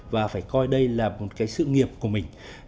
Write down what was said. và phải coi đây là một cái sự nghiệp của mình